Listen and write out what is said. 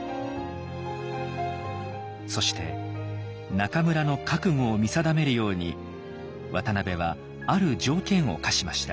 そして中村の覚悟を見定めるように渡辺はある条件を課しました。